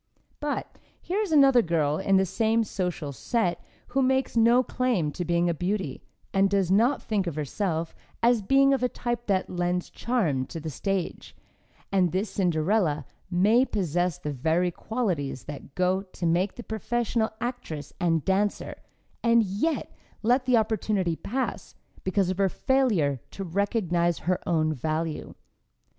But, here is another girl in the same social set who makes no claim to being a beauty, and does not think of herself as being of a type that lends charm to the stage and this Cinderella may possess the very qualities that go to make the professional actress and dancer, and yet let the opportunity pass because of her failure to recognize her own value.